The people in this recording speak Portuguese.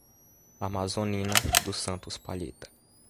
Amazonina dos Santos Palheta